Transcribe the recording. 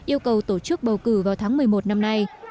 yêu cầu tổ chức bầu cử vào tháng một mươi một năm nay